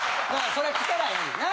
それ着たらええねんな。